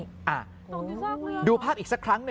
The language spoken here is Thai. โยยดูภาพอีกสักครั้งแหลง